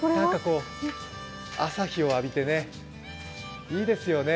朝日を浴びて、いいですよね。